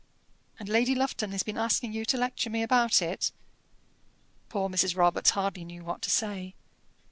"And Lady Lufton has been asking you to lecture me about it?" Poor Mrs. Robarts hardly knew what to say.